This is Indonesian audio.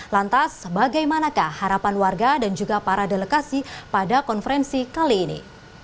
lantas bagaimanakah harapan warga dan juga para delegasi pada konferensi kali ini